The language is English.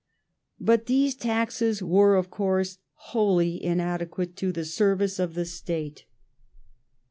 But those taxes were, of course, wholly inadequate to the service of the State.